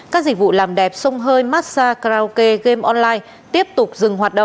các dịch vụ làm đẹp sông hơi massage karaoke game online tiếp tục dừng hoạt động